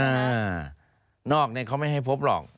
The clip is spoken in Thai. นอกเนี่ยเขาไม่ให้พบหรอก